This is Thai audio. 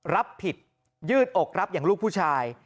รับผิดยืดอกรับอย่างลูกผู้ชาย